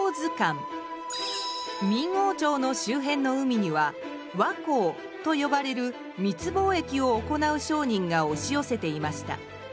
明王朝の周辺の海には「倭寇」と呼ばれる密貿易を行う商人が押し寄せていました。